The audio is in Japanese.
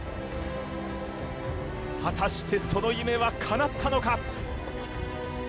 果たしてその夢はかなったのか？